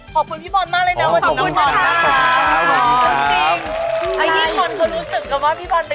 ขอบคุณพี่บอลมากเลยนะ